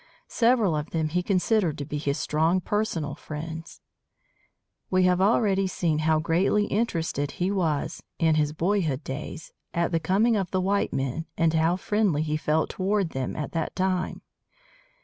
Several of them he considered to be his strong personal friends. We have already seen how greatly interested he was in his boyhood days at the coming of the white men and how friendly he felt toward them at that time.